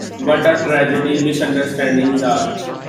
What a tragedy misunderstandings are.